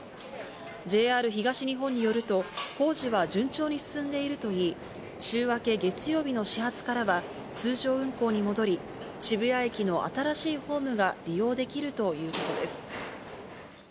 ＪＲ東日本によると、工事は順調に進んでいるといい、週明け月曜日の始発からは、通常運行に戻り、渋谷駅の新しいホームが利用できるということです。